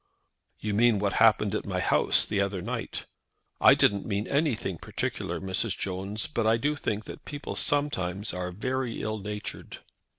"You mean what happened at my house the other night?" "I didn't mean anything particular, Mrs. Jones. But I do think that people sometimes are very ill natured."